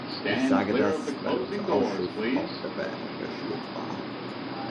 Ich sage das, weil unser Ausschuss auch dabei engagiert war.